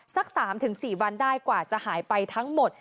สัก๓๔วันได้กว่าจะหายไปทั้งหมด